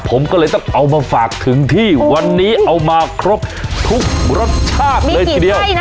ผมก็เลยต้องเอามาฝากถึงที่วันนี้เอามาครบทุกรสชาติเลยทีเดียว